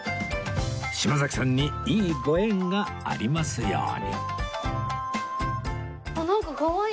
島崎さんにいいご縁がありますようになんかかわいい。